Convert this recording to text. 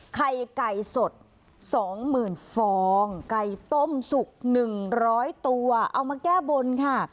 ไข่ไก่สด๒๐๐๐ฟองไก่ต้มสุก๑๐๐ตัวเอามาแก้บนค่ะ